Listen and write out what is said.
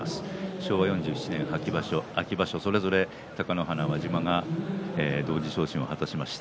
昭和４７年秋場所それぞれ貴ノ花、輪島が同時昇進を果たしました。